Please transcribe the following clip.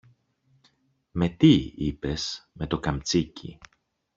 Με τι, είπες; Με το καμτσίκι!